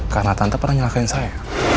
karena tante pernah nyalakain saya